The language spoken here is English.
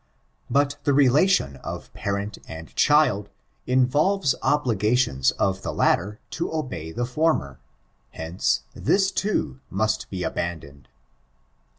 But the relation of parent and child involves obligations of the latter to obey the former; hence, this, too, must be abandoned.